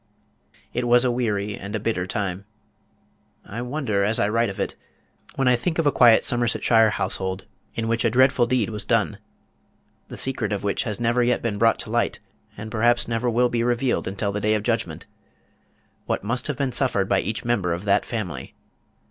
It was a weary and a bitter time. I wonder, as I write of it, when I think of a quiet Somersetshire household in which a dreadful deed was done the secret of which has never yet been brought to light, and perhaps never will be revealed until the Day of Judgment what must have been suffered by each member of that family?